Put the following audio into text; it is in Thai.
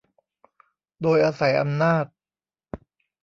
โดยอาศัยอำนาจ